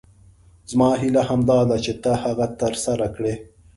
زما هیله همدا ده چې ته هغه تر سره کړې.